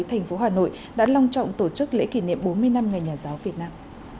thành phố hà nội đã long trọng tổ chức lễ kỷ niệm bốn mươi năm ngày nhà giáo việt nam